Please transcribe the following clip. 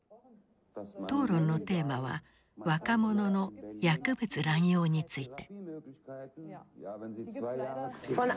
討論のテーマは若者の薬物乱用について。